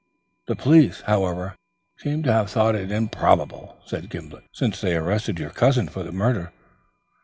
"The police, however, seem to have thought it improbable," said Gimblet, "since they arrested your cousin for the murder."